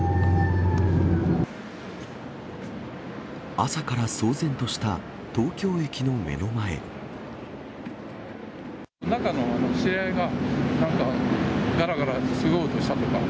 朝から騒然とした東京駅の目中の知り合いが、なんか、がらがらすごい音したとか。